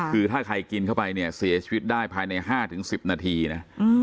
คือถ้าใครกินเข้าไปเนี่ยเสียชีวิตได้ภายใน๕๑๐นาทีนะ